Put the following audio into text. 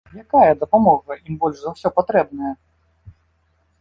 Якая дапамога ім больш за ўсё патрэбная?